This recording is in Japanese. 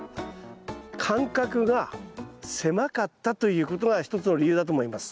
間隔が狭かったということが一つの理由だと思います。